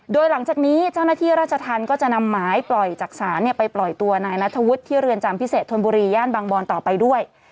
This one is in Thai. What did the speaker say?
โดยหลังจากนี้เจ้าหน้าที่ราชธรรมก็จะนำหมายปล่อยจากศาลไปปล่อยตัวนายนัทธวุฒิที่เรือนจำพิเศษธนบุรีย่านบางบอนต่อไปด้วย